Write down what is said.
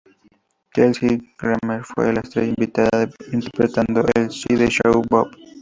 Kelsey Grammer fue la estrella invitada, interpretando a Sideshow Bob.